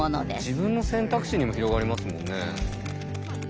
自分の選択肢も広がりますもんね。